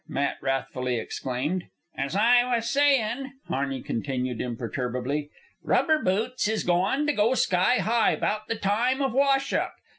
Matt wrathfully exclaimed. "Ez I was sayin'," Harney continued, imperturbably, "rubber boots is goin' to go sky high 'bout the time of wash up.